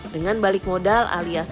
dengan balik modal alias